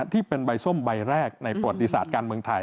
ที่เป็นใบส้มใบแรกในประวัติศาสตร์การเมืองไทย